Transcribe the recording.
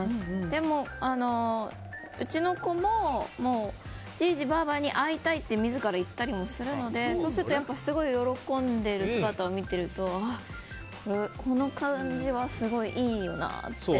でも、うちの子ももうじいじ、ばあばに会いたいって自ら行ったりもするのでそうするとやっぱりすごい喜んでいる姿を見ているとこの感じはすごいいいよなって。